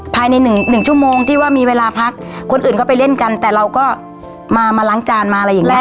ภายในหนึ่งหนึ่งชั่วโมงที่ว่ามีเวลาพักคนอื่นก็ไปเล่นกันแต่เราก็มามาล้างจานมาอะไรอย่างเงี้